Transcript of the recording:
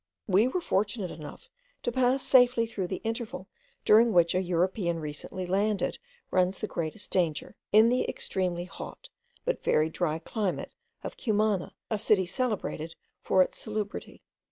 We were fortunate enough to pass safely through the interval during which a European recently landed runs the greatest danger, in the extremely hot, but very dry climate of Cumana, a city celebrated for its salubrity.